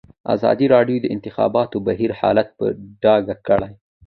ازادي راډیو د د انتخاباتو بهیر حالت په ډاګه کړی.